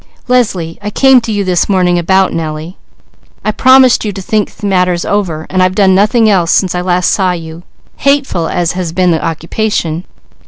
"Leslie, I came to you this morning about Nellie. I promised you to think matters over, and I've done nothing else since I last saw you, hateful as has been the occupation.